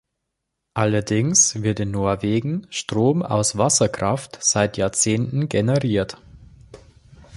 Allerdings wird in Norwegen Strom aus Wasserkraft seit Jahrzehnten generiert.